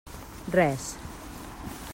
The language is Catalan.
Res.